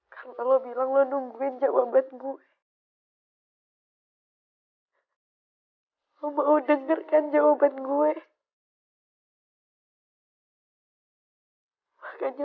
kau lebih saja mengadakan kesalahan anda dengan cara merawatnya